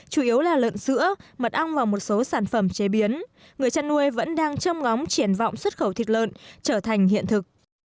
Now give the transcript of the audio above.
chủ yếu là lợn sữa mật ong và một số sản phẩm chế biến người chăn nuôi vẫn đang châm ngóng triển vọng xuất khẩu thịt lợn trở thành hiện thực